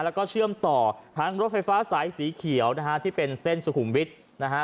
แล้วก็เชื่อมต่อทั้งรถไฟฟ้าสายสีเขียวนะฮะที่เป็นเส้นสุขุมวิทย์นะฮะ